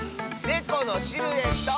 ねこのシルエット！